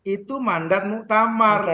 itu mandat muqtamar